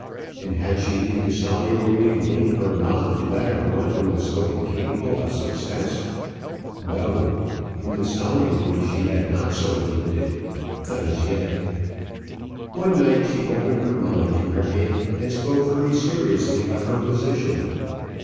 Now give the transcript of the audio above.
And had she indissolubly linked her lot to that of one who was so incapable of success? No; indissolubly she had not so linked it; not as yet. One night she opened her mind to her aunt, and spoke very seriously of her position.